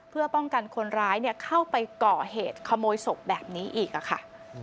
เพื่อป้องกันคนร้ายเข้าไปก่อเหตุขโมยศพแบบนี้อีกค่ะ